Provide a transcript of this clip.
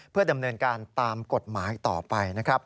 เพื่อดำเนินการตามกฎหมายต่อไปนะครับ